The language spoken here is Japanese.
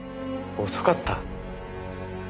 遅かった？